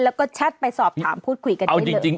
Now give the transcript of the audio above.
แล้วก็แชทไปสอบถามพูดคุยกันได้เลย